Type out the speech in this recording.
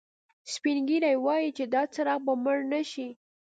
سپین ږیری وایي چې دا څراغ به مړ نه شي